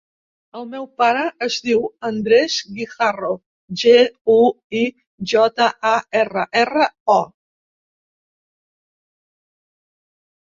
El meu pare es diu Andrés Guijarro: ge, u, i, jota, a, erra, erra, o.